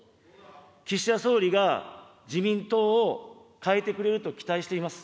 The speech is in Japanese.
岸田総理が自民党を変えてくれると期待しています。